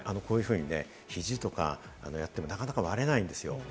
肘とかでやってもなかなか割れないんですよ。